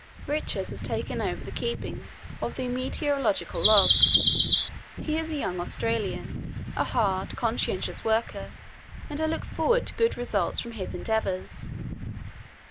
Richards has taken over the keeping of the meteorological log. He is a young Australian, a hard, conscientious worker, and I look forward to good results from his endeavours.